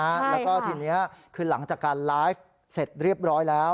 แล้วก็ทีนี้คือหลังจากการไลฟ์เสร็จเรียบร้อยแล้ว